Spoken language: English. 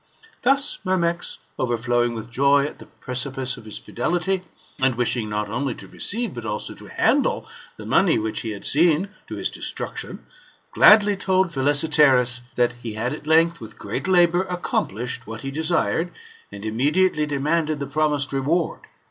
Thus Myrmex overflowing with joy at the precipice of his fidelity, and wishing not only to receive, but also to handle the money which he had seen to his destruction, gladly told Philesietserus, that he had at length, with great labour, accomplished what he desired, and immedi ately demanded the promised reward.